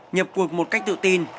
nhập cuộc một cách tự tin